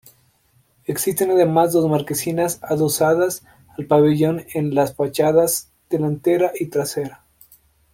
Existen además dos marquesinas adosadas al pabellón en las fachadas delantera y trasera.